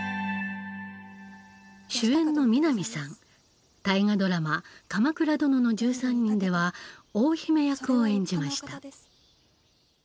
主演の南さん大河ドラマ「鎌倉殿の１３人」では大姫役を演じました。